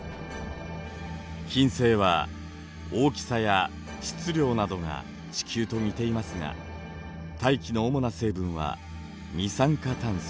金星は大きさや質量などが地球と似ていますが大気の主な成分は二酸化炭素。